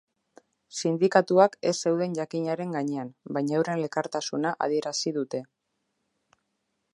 Sindikatuak ez zeuden jakinaren gainean, baina euren elkartasuna adierazi dute.